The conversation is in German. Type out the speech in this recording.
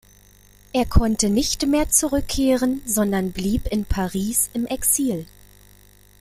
Er konnte nicht mehr zurückkehren, sondern blieb in Paris im Exil.